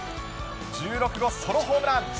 １６号ソロホームラン。